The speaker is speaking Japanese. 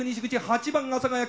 ８番阿佐ヶ谷。